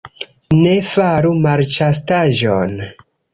Ne faru malĉastaĵon.